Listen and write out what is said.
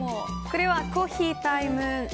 これはコーヒータイム。